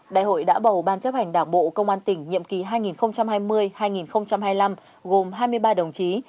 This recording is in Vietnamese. đại hội đã bầu ban chấp hành đảng bộ công an tỉnh nhiệm kỳ hai nghìn hai mươi hai nghìn hai mươi năm gồm hai mươi ba đồng chí